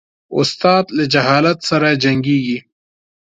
استاد له جهالت سره جنګیږي.